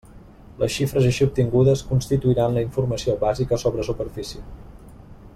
Les xifres així obtingudes constituiran la informació bàsica sobre superfície.